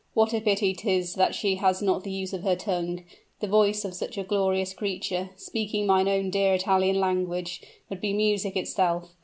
What a pity 'tis that she has not the use of her tongue! The voice of such a glorious creature, speaking mine own dear Italian language, would be music itself.